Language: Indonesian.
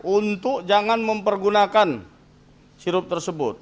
untuk jangan mempergunakan sirup tersebut